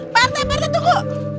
partai partai tunggu